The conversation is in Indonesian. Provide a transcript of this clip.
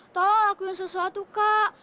tolong lakuin sesuatu kak